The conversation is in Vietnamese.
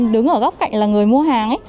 đứng ở góc cạnh là người mua hàng